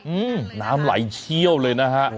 อืมน้ำไหลเชี่ยวเลยนะฮะ